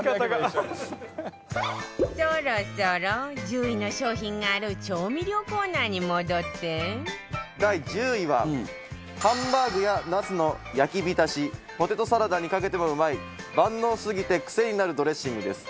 そろそろ１０位の商品がある第１０位はハンバーグやナスの焼きびたしポテトサラダにかけてもうまい万能すぎて癖になるドレッシングです。